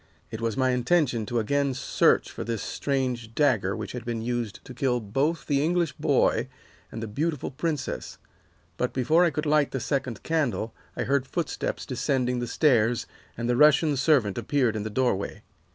It was my intention to again search for this strange dagger which had been used to kill both the English boy and the beautiful princess, but before I could light the second candle I heard footsteps descending the stairs, and the Russian servant appeared in the doorway.